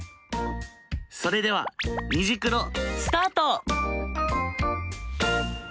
それでは「虹クロ」スタート！